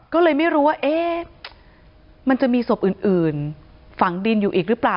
ก็เลยไม่รู้ว่าเอ๊ะมันจะมีศพอื่นฝังดินอยู่อีกหรือเปล่า